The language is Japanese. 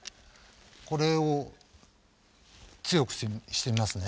これを強くしてみますね。